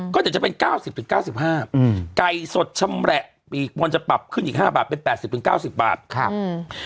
ก็เดี๋ยวจะเป็นเก้าสิบถึงเก้าสิบห้าอืมไก่สดชำแหละปีกบนจะปรับขึ้นอีกห้าบาทเป็นแปดสิบถึงเก้าสิบบาทครับอืม